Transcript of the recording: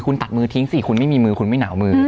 คุณตัดมือทิ้งสิคุณไม่มีมือคุณไม่หนาวมือ